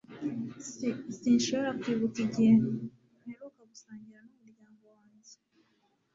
s sinshobora kwibuka igihe mperuka gusangira n'umuryango wanjye